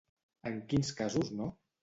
En quins casos no?